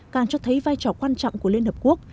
càng cho thấy vai trò quan trọng của liên hợp quốc